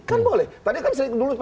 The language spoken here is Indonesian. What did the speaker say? kan boleh tadi kan dulu